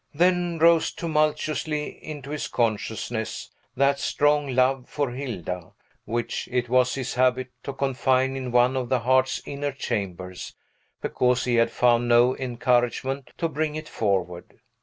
Then rose tumultuously into his consciousness that strong love for Hilda, which it was his habit to confine in one of the heart's inner chambers, because he had found no encouragement to bring it forward.